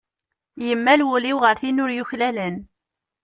Yemmal wul-iw ɣer tin ur yuklalen.